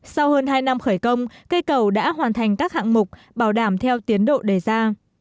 sau hơn hai năm khởi công cây cầu đã hoàn thành các hạng mục bảo đảm theo tiến độ đề ra